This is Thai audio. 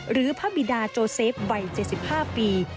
หรือพระบิดาโจเซฟวัย๗๕ปี